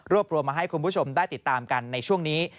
รวมมาให้คุณผู้ชมได้ติดตามกันในช่วงนี้